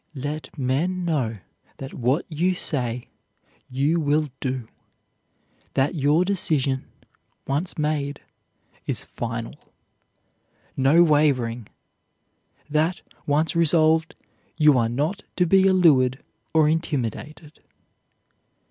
"Let men know that what you say you will do; that your decision, once made, is final, no wavering; that, once resolved, you are not to be allured or intimidated."